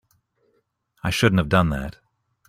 I shouldn't have done that.